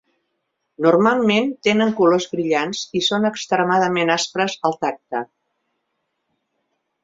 Normalment, tenen colors brillants i són extremadament aspres al tacte.